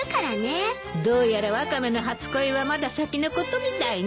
どうやらワカメの初恋はまだ先のことみたいね。